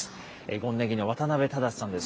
権禰宜の渡辺直さんです。